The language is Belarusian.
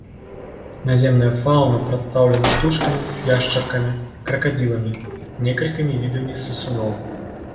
Наземная фаўна прадстаўлена птушкамі, яшчаркамі, кракадзіламі, некалькімі відамі сысуноў.